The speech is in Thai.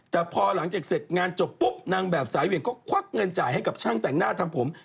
แต่พอหลังจากเสร็จงานจบปุ๊บนางแบบสายเวียงก็ควักเงินจ่ายให้กับช่างแต่งหน้าทำผม